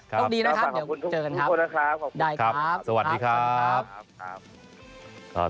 ครับขอบคุณทุกคนนะครับขอบคุณครับสวัสดีครับสวัสดีครับสวัสดีครับ